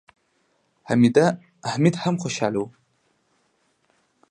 حميد هم خوشاله و.